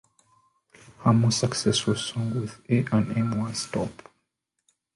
Her most successful song with A and M was Stop!